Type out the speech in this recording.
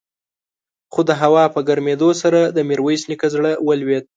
خو د هوا په ګرمېدو سره د ميرويس نيکه زړه ولوېد.